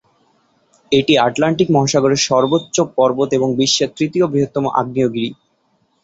এটি আটলান্টিক মহাসাগরের সর্বোচ্চ পর্বত এবং বিশ্বের তৃতীয় বৃহত্তম আগ্নেয়গিরি।